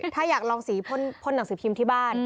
ถ้าอยากลองสีพ่นหนังสือพิมพ์ที่บ้าน